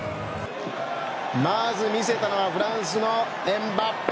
まず見せたのはフランスのエムバペ。